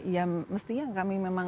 ya mestinya kami memang